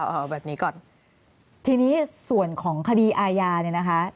เอาแบบนี้ก่อนทีนี้ส่วนของคดีอาญาเนี่ยนะคะ